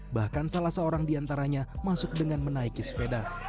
bahkan salah seorang di antaranya masuk dengan menaiki sepeda